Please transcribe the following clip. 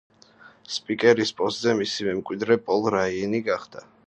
სპიკერის პოსტზე მისი მემკვიდრე პოლ რაიანი გახდა.